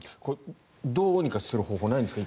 どうにかする方法はないんですか？